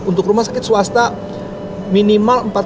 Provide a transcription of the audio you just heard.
untuk rumah sakit swasta minimal empat puluh